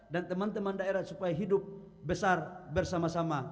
dan teman teman daerah supaya hidup besar bersama sama